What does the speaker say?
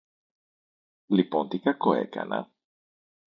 Λοιπόν τι κακό έκανα;